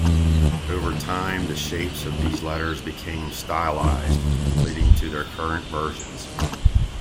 Over time the shapes of these letters became stylised, leading to their current versions.